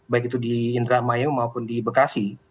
baik itu di indramayu maupun di bekasi